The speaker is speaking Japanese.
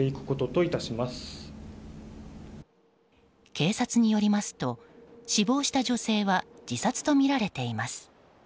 警察によりますと死亡した女性は自殺とみられています。